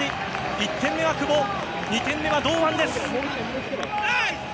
１点目は久保２点目は堂安です！